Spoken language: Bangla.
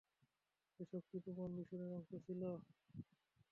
এই সব কি তোমার মিশনের অংশ ছিল?